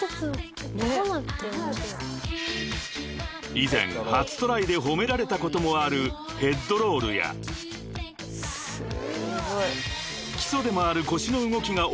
［以前初トライで褒められたこともあるヘッドロールや基礎でもある腰の動きが多めに詰まった前半］